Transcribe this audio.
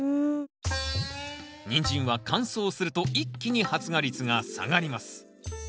ニンジンは乾燥すると一気に発芽率が下がります。